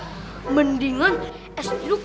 ustadz sekalian dong minumannya sama cemilan ustadz